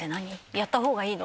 「やった方がいいの？」